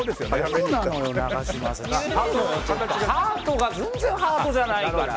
ハートが全然ハートじゃないから。